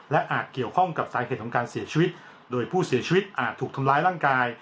และอาจเกี่ยวข้องกับสาเหตุของการเสียชีวิตโดยผู้เสียชีวิตอาจถูกทำร้ายร่างกาย